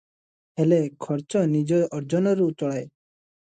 ହେଲେ ଖର୍ଚ୍ଚ ନିଜ ଅର୍ଜନରୁ ଚଳାଏ ।